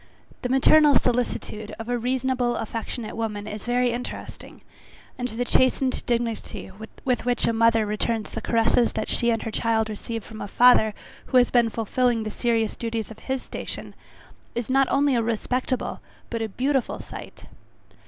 The maternal solicitude of a reasonable affectionate woman is very interesting, and the chastened dignity with which a mother returns the caresses that she and her child receive from a father who has been fulfilling the serious duties of his station, is not only a respectable, but a beautiful sight.